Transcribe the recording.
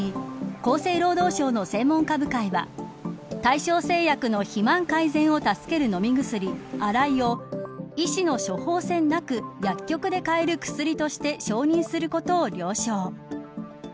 厚生労働省の専門家部会は大正製薬の肥満改善を助ける飲み薬アライを医師の処方箋なく薬局で買える薬として承認することを了承。